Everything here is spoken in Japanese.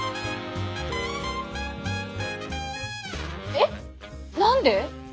えっ何で！？